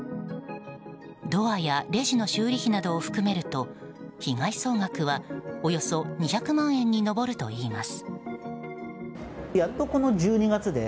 ドアやレジの修理費などを含めると被害総額はおよそ２００万円に上るといいます。